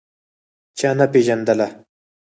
چا نه پېژندله.